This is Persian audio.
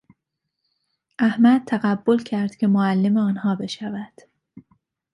احمد تقبل کرد که معلم آنها بشود.